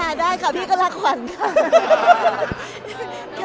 ได้ค่ะพี่ก็รักขวัญค่ะ